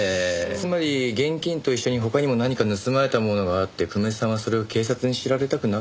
つまり現金と一緒に他にも何か盗まれたものがあって久米さんはそれを警察に知られたくなかった。